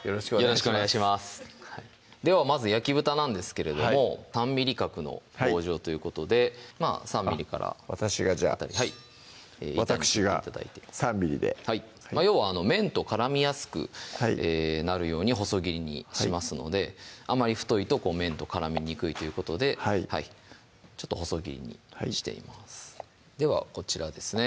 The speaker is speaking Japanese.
よろしくお願いしますではまず焼き豚なんですけれども３ｍｍ角の棒状ということでまぁ３ｍｍから私がじゃあわたくしが３ｍｍで要は麺と絡みやすくなるように細切りにしますのであまり太いと麺と絡みにくいということでちょっと細切りにしていますではこちらですね